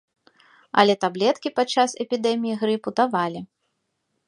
Але таблеткі падчас эпідэміі грыпу давалі.